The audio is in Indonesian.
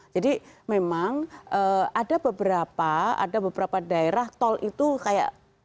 jadi memang ada beberapa ada beberapa daerah tol itu kayak